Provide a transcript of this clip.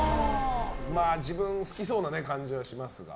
自分、好きそうな感じはしますが。